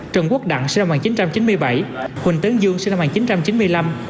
trần quốc đặng sinh năm một nghìn chín trăm chín mươi bảy huỳnh tấn dương sinh năm một nghìn chín trăm chín mươi năm